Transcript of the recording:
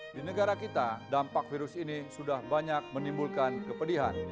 di negara kita dampak virus ini sudah banyak menimbulkan kepedihan